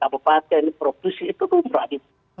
sampul patent produksi itu berubrah